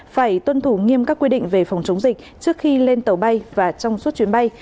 phải tuân thủ nghiêm các quy định về phòng chống dịch trước khi lên tàu bay và trong suốt chuyến bay